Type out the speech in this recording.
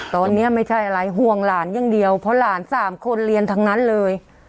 ตอนนี้ไม่ใช่อะไรห่วงหลานอย่างเดียวเพราะหลานสามคนเรียนทั้งนั้นเลย